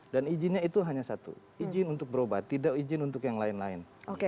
dan izinnya itu hanya satu izin untuk berobat tidak izin untuk yang lain lain